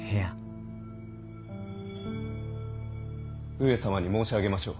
上様に申し上げましょう。